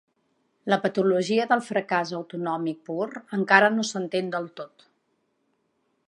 La patologia del fracàs autonòmic pur encara no s'entén del tot.